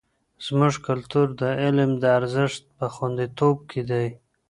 زموږ کلتور د علم د ارزښت په خوندیتوب کې دی.